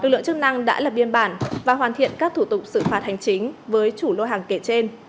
lực lượng chức năng đã lập biên bản và hoàn thiện các thủ tục xử phạt hành chính với chủ lô hàng kể trên